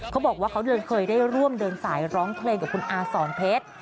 เขาบอกว่าเขาเคยได้ร่วมเดินสายร้องเพลงกับคุณอาสอนเพชร